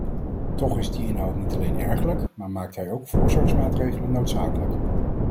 Toch is die inhoud niet alleen ergerlijk, maar maakt hij ook voorzorgsmaatregelen noodzakelijk.